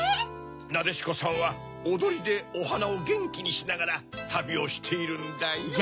なでしこさんはおどりでおはなをゲンキにしながらたびをしているんだよ。